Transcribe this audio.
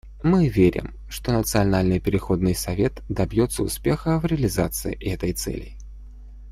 Мы верим, что Национальный переходный совет добьется успеха в реализации этой цели.